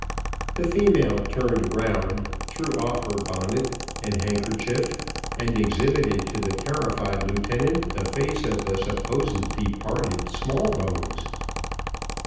The female turned round, threw off her bonnet and handkerchief and exhibited to the terrified lieutenant, the face of the supposed departed Smallbones.